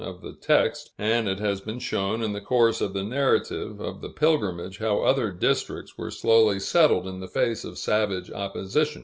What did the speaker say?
of the text; and it has been shown, in the course of the narrative of the pilgrimage, how other districts were slowly settled in the face of savage opposition.